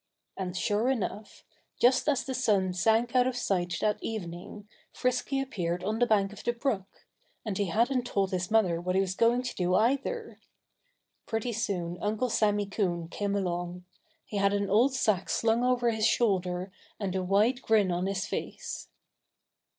And sure enough! Just as the sun sank out of sight that evening, Frisky appeared on the bank of the brook. And he hadn't told his mother what he was going to do, either. Pretty soon Uncle Sammy Coon came along. He had an old sack slung over his shoulder and a wide grin on his face.